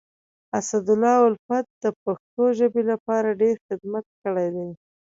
اسدالله الفت د پښتو ژبي لپاره ډير خدمت کړی دی.